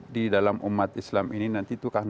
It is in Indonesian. di dalam umat islam ini nanti itu akan